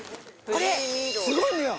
これすごいのよ！